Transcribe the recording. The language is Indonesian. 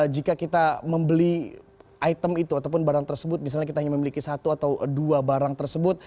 jika kita membeli item itu ataupun barang tersebut misalnya kita hanya memiliki satu atau dua barang tersebut